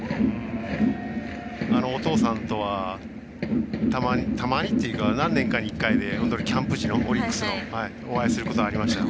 お父さんとはたまにっていうか、何年かに一回オリックスのキャンプ地でお会いすることがありました。